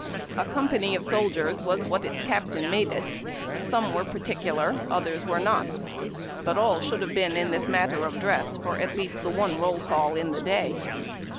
A company of soldiers was what its captain made it. Some w^ere particular, others were not, but all should have been in this matter of dress for at least one roll call in the day.